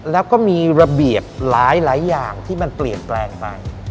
แล้วก็มีระเบียบหลายอย่างที่มันเปลี่ยนแปลงไป